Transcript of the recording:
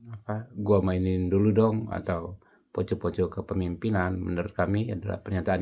apa gua mainin dulu dong atau poco poco kepemimpinan menurut kami adalah pernyataan